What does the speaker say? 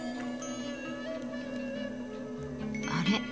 あれ？